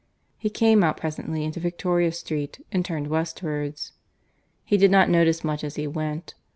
He came out presently into Victoria Street and turned westwards. He did not notice much as he went.